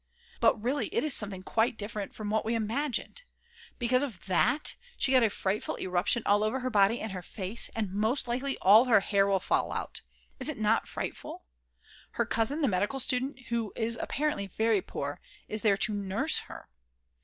But really it is something quite different from what we imagined. Because of that she got a frightful eruption all over her body and her face, and most likely all her hair will fall out; is it not frightful? Her cousin, the medical student, who is apparently very poor, is there to nurse her.